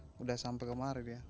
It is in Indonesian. sudah sampai kemarin ya